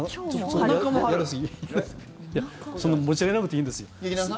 そんな持ち上げなくていいんですよ。